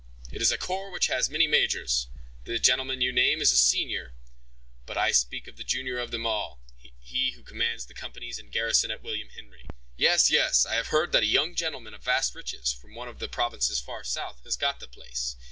"It is a corps which has many majors; the gentleman you name is the senior, but I speak of the junior of them all; he who commands the companies in garrison at William Henry." "Yes, yes, I have heard that a young gentleman of vast riches, from one of the provinces far south, has got the place.